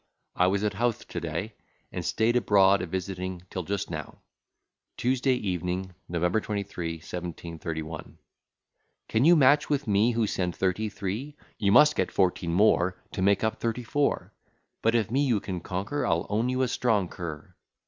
I was at Howth to day, and staid abroad a visiting till just now. Tuesday Evening, Nov. 23, 1731. "Can you match with me, Who send thirty three? You must get fourteen more, To make up thirty four: But, if me you can conquer, I'll own you a strong cur."